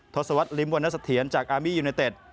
ทศวรรษลิ้มวรรณสะเทียนจากอามียูเนเต็ด